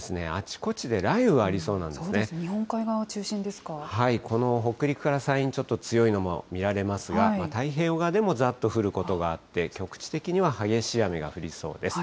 この北陸から山陰、ちょっと強い雲、見られますが、太平洋側でもざっと降ることがあって、局地的には激しい雨が降りそうです。